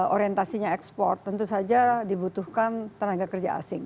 orientasinya ekspor tentu saja dibutuhkan tenaga kerja asing